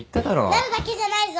なるだけじゃないぞ。